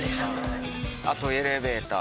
あとエレベーター。